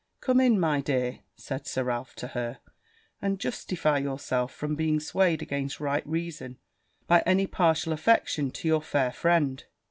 'Come in, my dear,' said Sir Ralph to her, 'and justify yourself from being swayed against right reason, by any partial affection to your fair friend.'